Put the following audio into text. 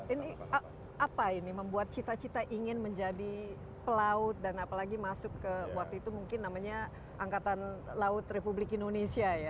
ini apa ini membuat cita cita ingin menjadi pelaut dan apalagi masuk ke waktu itu mungkin namanya angkatan laut republik indonesia ya